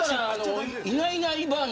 いないいないばあっ！